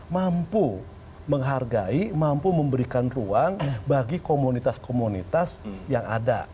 mampu menghargai mampu memberikan ruang bagi komunitas komunitas yang ada